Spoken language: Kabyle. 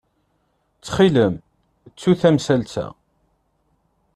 Ttxil-m, ttu tamsalt-a.